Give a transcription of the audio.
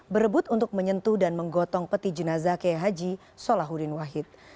berebut untuk menyentuh dan menggotong peti jenazah k h solahuddin wahid